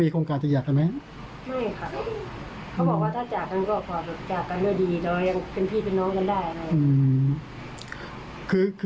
พี่สาวบอกเขาตรงไปเลยค่ะ